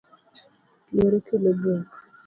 Luoro kelo bwok .